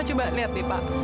coba lihat deh pak